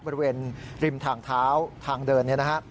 บริเวณริมทางเท้าทางเดิน